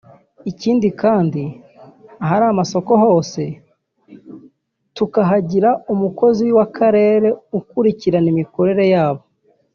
Ikindi kandi ahari amasoko hose tuhagira umukozi w’akarere ukurikirana imikorere yabo